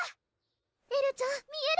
エルちゃん見える？